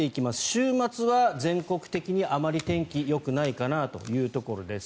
週末は全国的にあまり天気がよくないかなというところです。